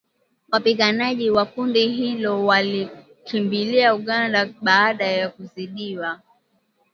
Wapiganaji wa kundi hilo walikimbilia Uganda baada ya kuzidiwa